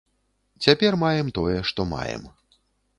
Цяпер маем тое, што маем.